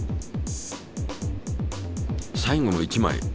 最後の１枚。